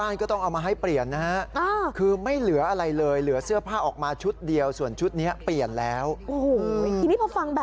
น้ำหนักรวมเท่าไหร่นะ